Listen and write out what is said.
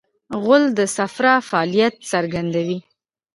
غول د صفرا فعالیت څرګندوي.